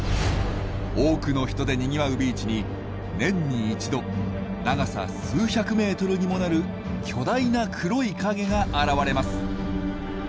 多くの人でにぎわうビーチに年に一度長さ数百メートルにもなる巨大な黒い影が現れます。